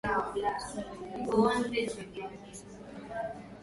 suala hilo lina mjadala mkubwa sana kwenye jamii